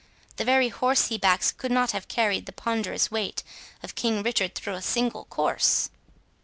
The very horse he backs, could not have carried the ponderous weight of King Richard through a single course."